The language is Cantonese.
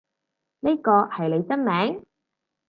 呢個係你真名？